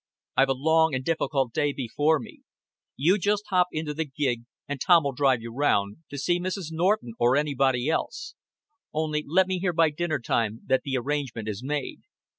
I've a long and difficult day before me. You just hop into the gig, and Tom'll drive you round to see Mrs. Norton or anybody else. Only let me hear by dinner time that the arrangement is made."